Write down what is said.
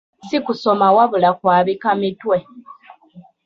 Si kusoma wabula kwabika mitwe.